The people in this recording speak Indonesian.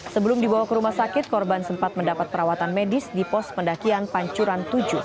sebelum dibawa ke rumah sakit korban sempat mendapat perawatan medis di pos pendakian pancuran tujuh